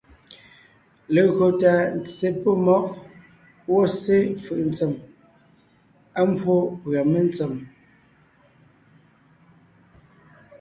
Legÿo tà ntse pɔ́ mmɔ̌g gwɔ̂ ssé fʉ̀’ ntsém, á mbwó pʉ̀a mentsém,